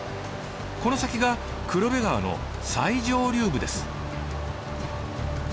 この先が黒部川の最上流部です。